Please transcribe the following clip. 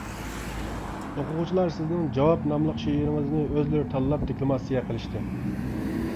ئوقۇغۇچىلار سىزنىڭ «جاۋاب» ناملىق شېئىرىڭىزنى ئۆزلىرى تاللاپ دېكلاماتسىيە قىلىشتى.